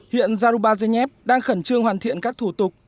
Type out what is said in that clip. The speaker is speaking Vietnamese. hiện zarubazhnev đang khẩn trương hoàn thiện các thủ tục